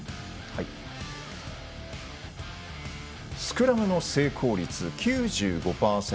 スクラムの成功率９５％。